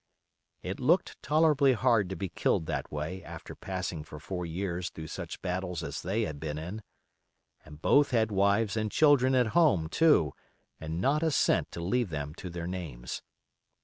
It looked tolerably hard to be killed that way after passing for four years through such battles as they had been in; and both had wives and children at home, too, and not a cent to leave them to their names.